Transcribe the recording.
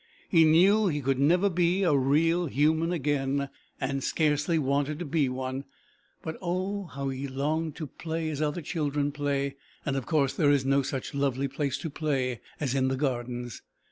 He knew he could never be a real human again, and scarcely wanted to be one, but oh, how he longed to play as other children play, and of course there is no such lovely place to play in as the Gardens.